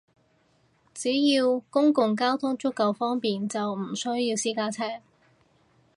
只要公共交通足夠方便，就唔需要私家車